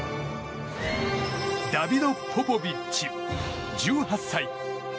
ダビド・ポポビッチ、１８歳。